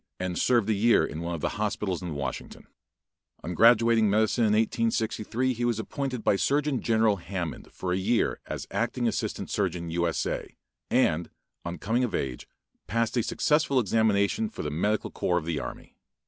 and served a year in one of the hospitals in Washington. On graduating in medicine in 1863, he was appointed by Surgeon General Hammond for a year as acting assistant surgeon U. S. A. and, on coming of age passed a successful examination for the medical corps of the army.